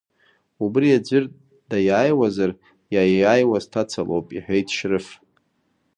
Убри аӡәыр даиааиуазар, иаиааиуа сҭаца лоуп, — иҳәеит Шьрыф.